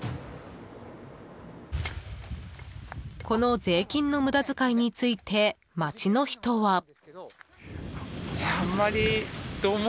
この税金の無駄遣いについて町の人は。